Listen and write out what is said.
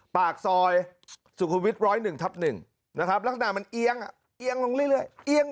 ปากซอยสุขุมวิทย๑๐๑ทับ๑นะครับลักษณะมันเอียงเอียงลงเรื่อยเอียง